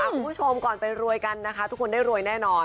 คุณผู้ชมก่อนไปรวยกันนะคะทุกคนได้รวยแน่นอน